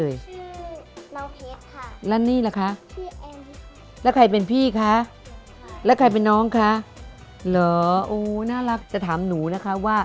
จะสอนป๊านาวเล่นใช่ไหม